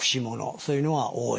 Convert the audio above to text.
そういうのが多い。